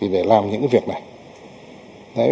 để làm những việc này